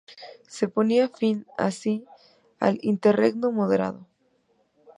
Se ponía fin así al interregno moderado.